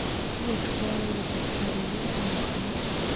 وچوالی د باکټریاوو مخه نیسي.